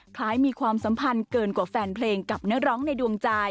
มีความสัมพันธ์เกินกว่าแฟนเพลงกับนักร้องในดวงใจ